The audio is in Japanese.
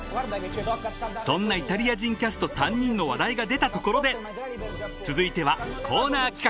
［そんなイタリア人キャスト３人の話題が出たところで続いてはコーナー企画］